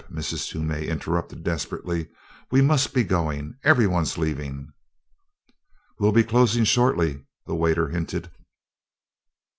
Mrs. Toomey interrupted desperately, "we must be going. Everyone's leaving." "We'll be closing shortly," the waiter hinted.